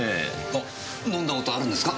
あ飲んだ事あるんですか？